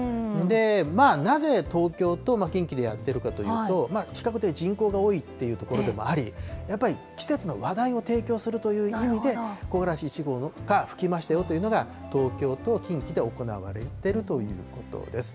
なぜ東京と近畿でやってるかというと、比較的人口が多いという所でもあり、やっぱり、季節の話題を提供するという意味で、木枯らし１号が吹きましたよというのが、東京と近畿で行われているということです。